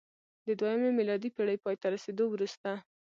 د دویمې میلادي پېړۍ پای ته رسېدو وروسته